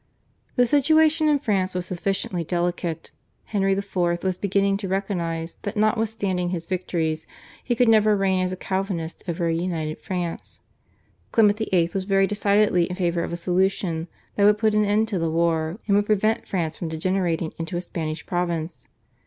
The situation in France was sufficiently delicate. Henry IV. was beginning to recognise that notwithstanding his victories he could never reign as a Calvinist over a united France. Clement VIII. was very decidedly in favour of a solution that would put an end to the war and would prevent France from degenerating into a Spanish province.